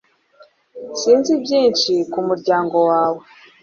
Sinzi byinshi ku muryango wawe